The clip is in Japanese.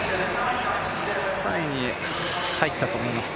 ３位に入ったと思いますね。